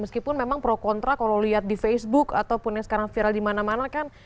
meskipun memang pro kontra kalau lihat di facebook ataupun yang sekarang viral di mana mana kan